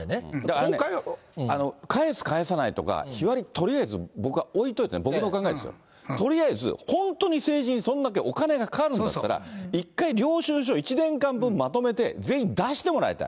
今回は返す、返さないとか、日割りとりあえず、僕は置いといて、僕の考えですよ、とりあえず、本当に政治にそんだけお金がかかるんだったら、一回領収書１年間分まとめて、ぜひ全員出してもらいたい。